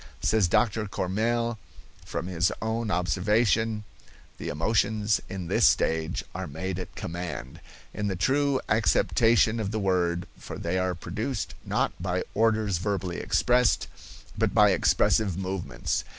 Says Dr. Courmelles, from his own observation: "The emotions in this stage are made at command, in the true acceptation of the word, for they are produced, not by orders verbally expressed, but by expressive movements.